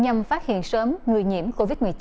nhằm phát hiện sớm người nhiễm covid một mươi chín